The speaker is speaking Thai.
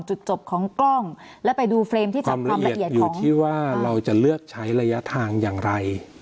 จุดจบของกล้องและไปดูเฟรมที่จับความละเอียดของที่ว่าเราจะเลือกใช้ระยะทางอย่างไร